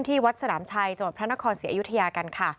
ที่วัดสนามไชยจังหวัดพระนครศิรยุทยากัน